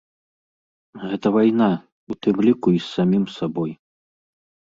Гэта вайна, у тым ліку і з самім сабой.